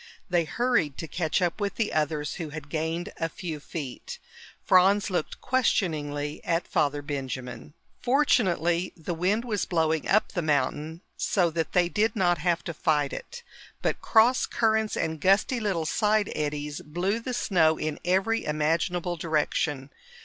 They hurried to catch up with the others, who had gained a few feet. Franz looked questioningly at Father Benjamin. Fortunately, the wind was blowing up the mountain, so that they did not have to fight it. But cross currents and gusty little side eddies blew the snow in every imaginable direction.